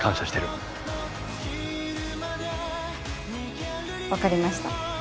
わかりました。